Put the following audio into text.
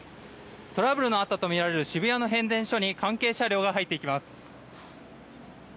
トラブルのあったとみられる渋谷の変電所に関係車両が入っていきます。